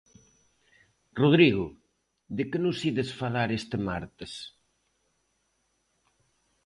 Rodrigo, de que nos ides falar este martes?